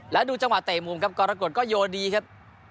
แล้วดูจังหวะเตะมุมครับกรกฎก็โยดีครับ